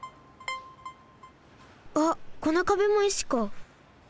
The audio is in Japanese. あっこのかべも石か。